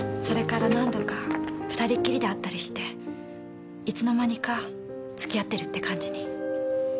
それから何度か２人っきりで会ったりしていつの間にか付き合ってるって感じに。